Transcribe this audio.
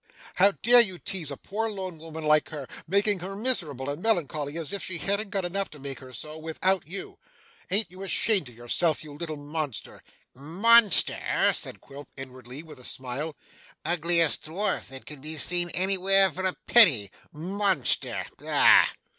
'How dare you tease a poor lone woman like her, making her miserable and melancholy as if she hadn't got enough to make her so, without you. An't you ashamed of yourself, you little monster?' 'Monster!' said Quilp inwardly, with a smile. 'Ugliest dwarf that could be seen anywhere for a penny monster ah!